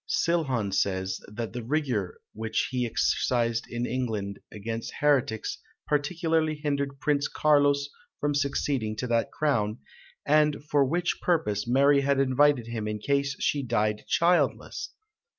Silhon says, that the rigour which he exercised in England against heretics partly hindered Prince Carlos from succeeding to that crown, and for which purpose Mary had invited him in case she died childless!"